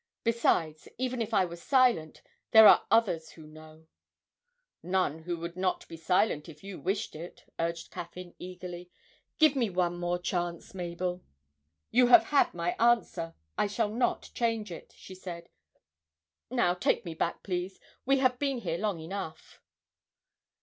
Besides, even if I were silent, there are others who know ' 'None who would not be silent if you wished it,' urged Caffyn, eagerly. 'Give me one more chance, Mabel!' 'You have had my answer I shall not change it,' she said: 'now take me back, please, we have been here long enough.'